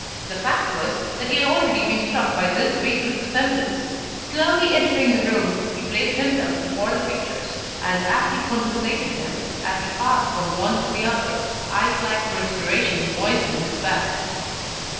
The fact was that he had already been struck by this fatal resemblance. Slowly entering the room, he placed himself before the pictures, and as he contemplated them, as he passed from one to the other, ice like perspiration moistened his back.